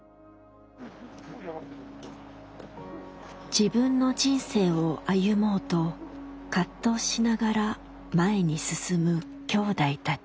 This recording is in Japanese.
自分の人生を歩もうと葛藤しながら前に進むきょうだいたち。